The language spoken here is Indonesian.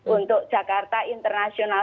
untuk jakarta international